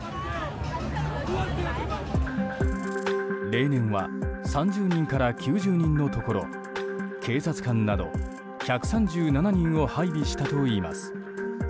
例年は３０人から９０人のところ警察官など１３７人を配備したといいます。